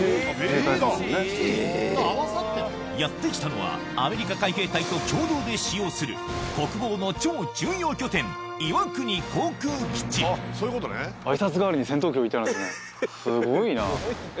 やって来たのはアメリカ海兵隊と共同で使用する国防の超重要拠点すごいな。